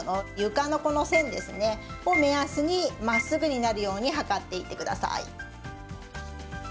床のこの線ですね、ここを目安にまっすぐになるように測っていってください。